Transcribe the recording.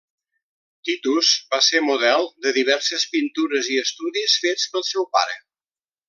Titus va ser model de diverses pintures i estudis fets pel seu pare.